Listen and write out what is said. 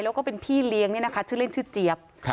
แล้วก็เป็นพี่เลี้ยงเนี่ยนะคะชื่อเล่นชื่อเจี๊ยบ